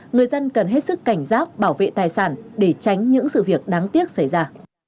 người dân cần hết sức cảnh giác bảo vệ tài sản để tránh những sự việc đáng tiếc xảy ra